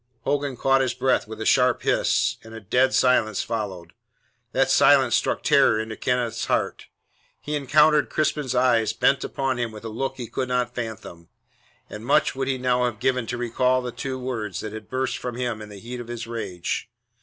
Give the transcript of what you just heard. Hogan caught his breath with a sharp hiss, and a dead silence followed. That silence struck terror into Kenneth's heart. He encountered Crispin's eye bent upon him with a look he could not fathom, and much would he now have given to recall the two words that had burst from him in the heat of his rage.